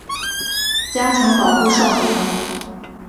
加强保护少年